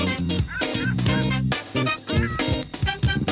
อันนี้ก็เป็นอีกหนึ่งเรื่องที่ควรพูดถึงกันนะครับคุณหนุ่ม